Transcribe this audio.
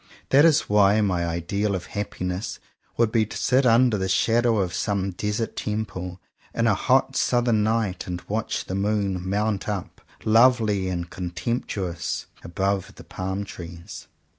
That is why my ideal of happiness would be to sit under the shadow of some Desert Temple, in a hot southern night, and watch the moon mount up, lovely and contemptuous, above the palm trees.